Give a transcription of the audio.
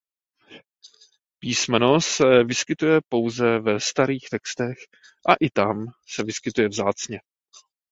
Písmeno se vyskytuje pouze ve starých textech a i tam se vyskytuje vzácně.